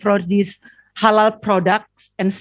untuk mereka untuk produk halal ini